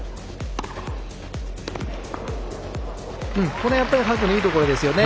これ、やっぱり白のいいところですよね。